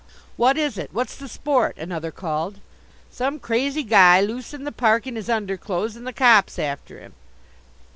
"What is it, what's the sport?" another called. "Some crazy guy loose in the park in his underclothes and the cops after him."